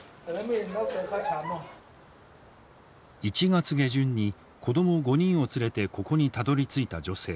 １月下旬に子供５人を連れてここにたどりついた女性。